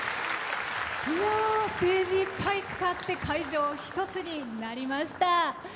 ステージいっぱい使って会場一つになりました。